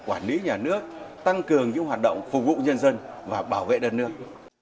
quản lý nhà nước tăng cường những hoạt động phục vụ nhân dân và bảo vệ đất nước